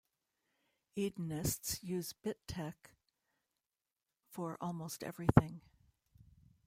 Edenists use bitek for almost everything.